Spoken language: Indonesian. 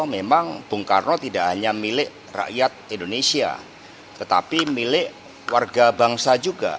memang bung karno tidak hanya milik rakyat indonesia tetapi milik warga bangsa juga